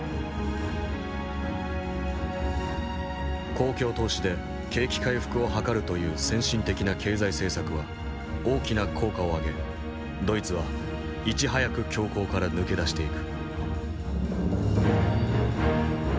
公共投資で景気回復を図るという先進的な経済政策は大きな効果を上げドイツはいち早く恐慌から抜け出していく。